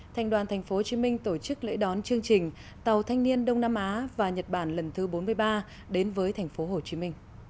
thành đoàn tp hcm tổ chức lễ đón chương trình tàu thanh niên đông nam á và nhật bản lần thứ bốn mươi ba đến với tp hcm